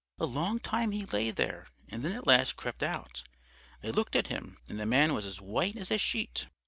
A long time he lay there and then at last crept out. I looked at him and the man was as white as a sheet.